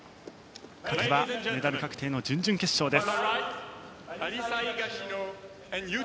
勝てばメダル確定の準々決勝です。